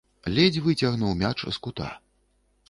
Ледзь выцягнуў мяч з кута.